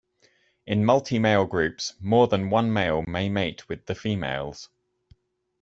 In multi-male groups, more than one male may mate with the females.